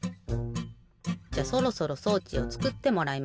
じゃそろそろ装置をつくってもらいましょう。